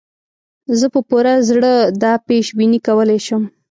زه په پوره زړه دا پېش بیني کولای شم.